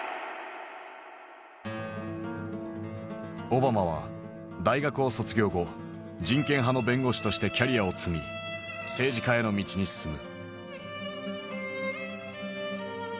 オバマは大学を卒業後人権派の弁護士としてキャリアを積み政治家への道に進む。